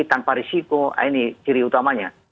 tanpa risiko ini ciri utamanya